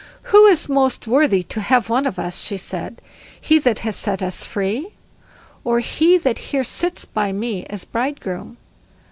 "Who is most worthy to have one of us", she said, "he that has set us free, or he that here sits by me as bridegroom?"